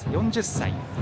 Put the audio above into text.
４０歳。